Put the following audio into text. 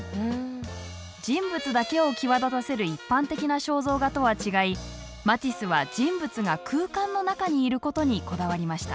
人物だけを際立たせる一般的な肖像画とは違いマティスは人物が空間の中にいることにこだわりました。